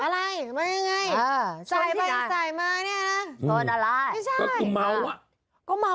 เทียมมากค่ะ